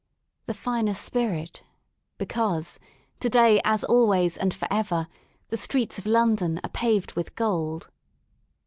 The Finer Spirit ,,. because, to day as always and for ever, the streets of London are paved with gold.